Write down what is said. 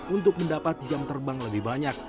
untuk mendapat jam terbang lebih banyak